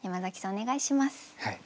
お願いします。